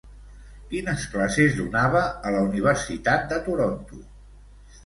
Quines classes donava a la Universitat de Toronto?